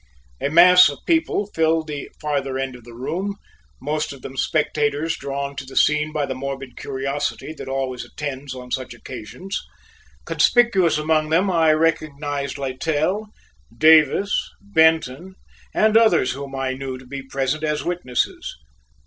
A mass of people filled the farther end of the room; most of them spectators drawn to the scene by the morbid curiosity that always attends on such occasions. Conspicuous among them I recognized Littell, Davis, Benton, and others whom I knew to be present as witnesses.